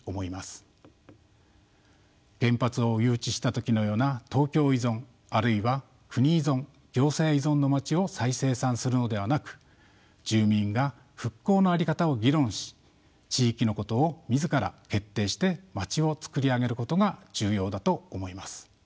原発を誘致した時のような東京依存あるいは国依存行政依存のまちを再生産するのではなく住民が復興の在り方を議論し地域のことを自ら決定してまちをつくり上げることが重要だと思います。